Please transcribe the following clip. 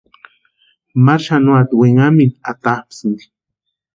Maru xanuata winhamintu atapʼisïnti.